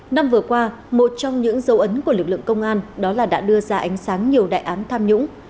năm vừa qua một trong những dấu ấn của lực lượng công an đó là đã đưa ra ánh sáng nhiều đại án tham nhũng